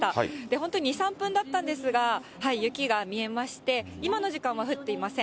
本当、２、３分だったんですが、雪が見えまして、今の時間は降っていません。